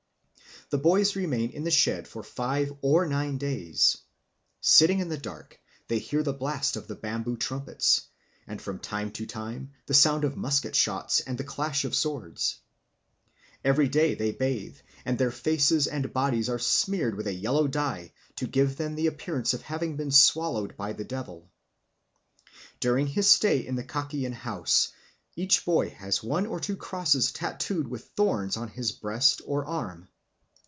The boys remain in the shed for five or nine days. Sitting in the dark, they hear the blast of the bamboo trumpets, and from time to time the sound of musket shots and the clash of swords. Every day they bathe, and their faces and bodies are smeared with a yellow dye, to give them the appearance of having been swallowed by the devil. During his stay in the Kakian house each boy has one or two crosses tattooed with thorns on his breast or arm.